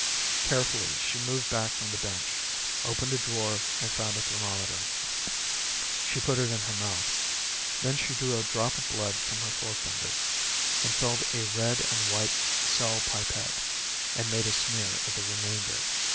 Carefully she moved back from the bench, opened a drawer and found a thermometer. She put it in her mouth. Then she drew a drop of blood from her forefinger and filled a red and white cell pipette, and made a smear of the remainder.